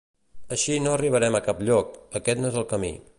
Així no arribarem a cap lloc, aquest no és el camí.